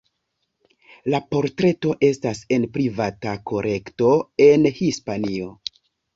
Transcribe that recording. La portreto estas en privata kolekto en Hispanio.